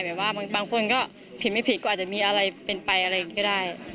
แบบว่าบางคนก็ผิดไม่ผิดก็อาจจะมีอะไรเป็นไปอะไรอย่างนี้ก็ได้